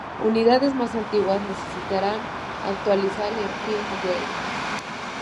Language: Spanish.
Unidades más antiguas necesitarán actualizar el firmware.